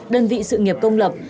đơn vị sự nghiệp công lập